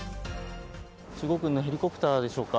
中国軍のヘリコプターでしょうか。